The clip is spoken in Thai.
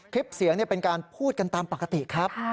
คลิปเสียงเป็นการพูดกันตามปกติครับ